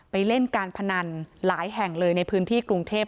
เล่นการพนันหลายแห่งเลยในพื้นที่กรุงเทพ